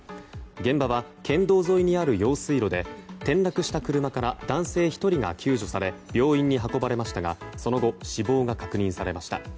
現場は県道沿いにある用水路で転落した車から男性１人が救助され病院に運ばれましたがその後、死亡が確認されました。